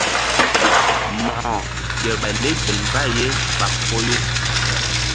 Mo̧ko kerɓay lek gel mbay ɓa foyu.